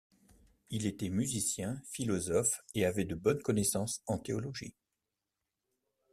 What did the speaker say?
Il était musicien, philosophe et avait de bonnes connaissances en théologie.